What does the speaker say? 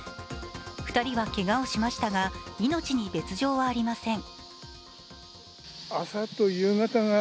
２人はけがをしましたが、命に別状はありません。